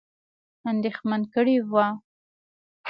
اندېښمن کړي وه.